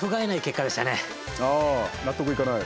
あー、納得いかない？